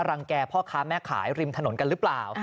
แก่พ่อค้าแม่ขายริมถนนกันหรือเปล่า